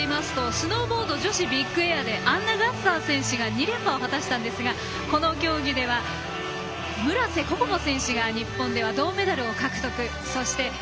オーストリアといいますとスノーボード女子ビッグエアでアンナ・ガッサー選手が２連覇を果たしたんですがこの競技では、村瀬選手が日本では銅メダルを獲得。